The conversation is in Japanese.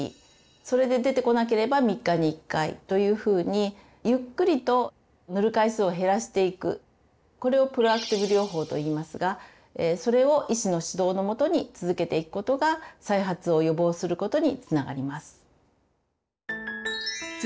それで出てこなければ３日に１回というふうにゆっくりと塗る回数を減らしていくこれをプロアクティブ療法といいますがそれを医師の指導の下に続けていくことが再発を予防することにつながります。